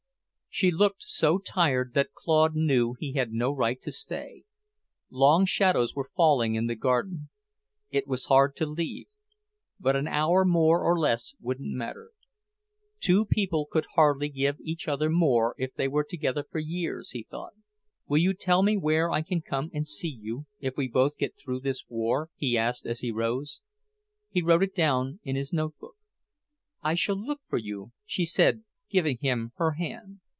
She looked so tired that Claude knew he had no right to stay. Long shadows were falling in the garden. It was hard to leave; but an hour more or less wouldn't matter. Two people could hardly give each other more if they were together for years, he thought. "Will you tell me where I can come and see you, if we both get through this war?" he asked as he rose. He wrote it down in his notebook. "I shall look for you," she said, giving him her hand.